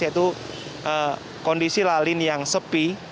yaitu kondisi lalin yang sepi